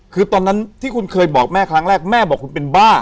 คือตอนนั้นที่คุณเคยบอกแม่ครั้งแรกแม่บอกคุณเป็นบ้า